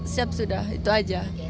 siap sudah itu aja